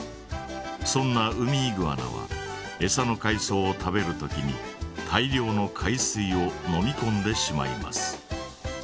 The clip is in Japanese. そんなウミイグアナはエサの海そうを食べる時に大量の海水を飲みこんでしまいます。